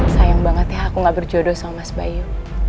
sayang banget ya aku gak berjodoh sama mas bayu